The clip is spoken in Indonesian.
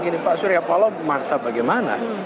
begini pak surya paloh maksa bagaimana